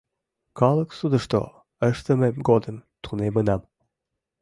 — Калык судышто ыштымем годым тунемынам.